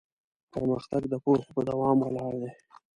پرمختګ د پوهې په دوام ولاړ دی.